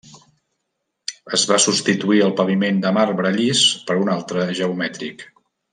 Es va substituir el paviment de marbre llis per un altre geomètric.